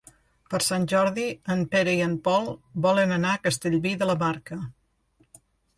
Per Sant Jordi en Pere i en Pol volen anar a Castellví de la Marca.